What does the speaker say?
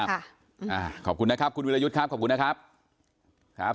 อ่าขอบคุณครับกรุณวิรายุทธค่าครับ